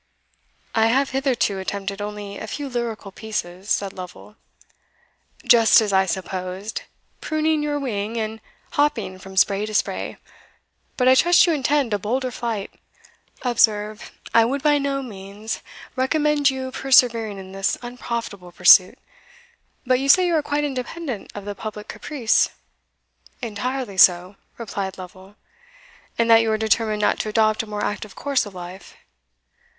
"I have hitherto attempted only a few lyrical pieces," said Lovel. "Just as I supposed pruning your wing, and hopping from spray to spray. But I trust you intend a bolder flight. Observe, I would by no means recommend your persevering in this unprofitable pursuit but you say you are quite independent of the public caprice?" "Entirely so," replied Lovel. "And that you are determined not to adopt a more active course of life?"